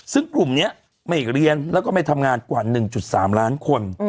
ซึ่งกลุ่มนี้ไม่เรียนแล้วก็ไม่ทำงานกว่า๑๓ล้านคน